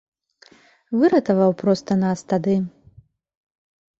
Выратаваў проста нас тады.